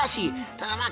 ただまあ